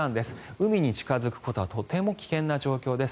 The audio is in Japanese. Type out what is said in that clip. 海に近付くことはとても危険な状況です。